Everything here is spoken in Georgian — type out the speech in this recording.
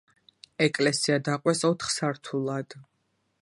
ეკლესია დაყვეს ოთხ სართულად.